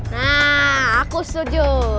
nah aku setuju